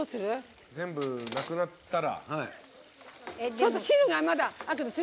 全部なくなったら。